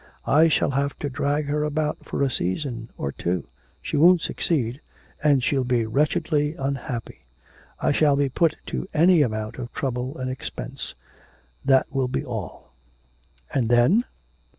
I shall have to drag her about for a season or two. She won't succeed, and she'll be wretchedly unhappy. I shall be put to any amount of trouble and expense, that will be all.' 'And then?'